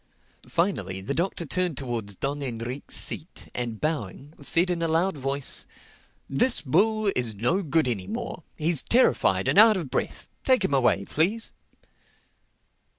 Finally the Doctor turned towards Don Enrique's seat and bowing said in a loud voice, "This bull is no good any more. He's terrified and out of breath. Take him away, please."